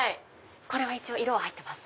これは一応色入ってます。